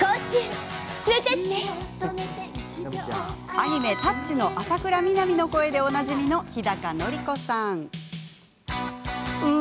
アニメ「タッチ」の浅倉南の声でおなじみの日高のり子さん。